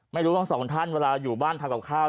ไม่รู้ทั้งสองท่านเวลาอยู่บ้านทำกับข้าว